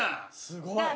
すごい。